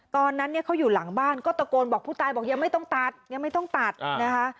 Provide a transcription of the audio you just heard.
ตอนนั้นเนี่ยเขาอยู่หลังบ้านก็ตะโกนบอกผู้ตายบอกยังไม่ต้องตัดยังไม่ต้องตัดนะคะ